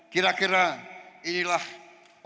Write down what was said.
kira kira inilah orangnya